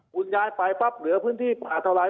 คุณย้ายไปหรือพื้นที่ป่าเท่าไหร่